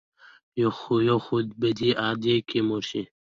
يو خوي به دې ادکې مور شي.